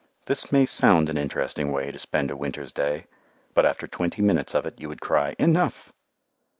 This may sound an interesting way to spend a winter's day, but after twenty minutes of it you would cry "enough."